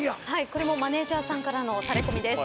これもマネジャーさんからのタレコミです。